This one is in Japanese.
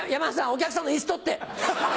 お客さんの椅子取って。